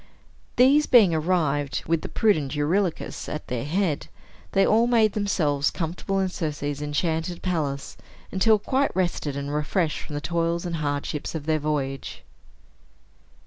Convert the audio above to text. These being arrived, with the prudent Eurylochus at their head, they all made themselves comfortable in Circe's enchanted palace, until quite rested and refreshed from the toils and hardships of their voyage.